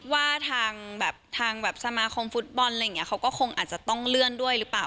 ว่าทางแบบทางแบบสมาคมฟุตบอลอะไรอย่างนี้เขาก็คงอาจจะต้องเลื่อนด้วยหรือเปล่า